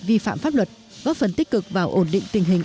vi phạm pháp luật góp phần tích cực vào ổn định tình hình